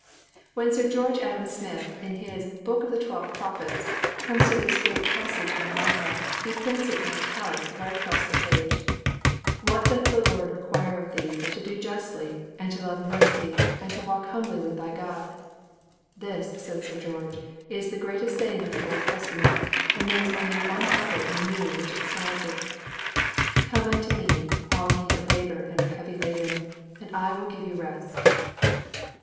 When Sir George Adam Smith, in his Book of the Twelve Prophets, comes to this great passage in Micah, he prints it in italics right across the page: What doth the Lord require of thee but to do justly and to love mercy and to walk humbly with thy God? This, says Sir George, is the greatest saying of the Old Testament; and there is only one other in the New which excels it: _Come unto Me, all ye that labor and are heavy laden, and I will give you rest.